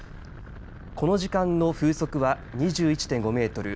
この時間の風速は２１．５メートル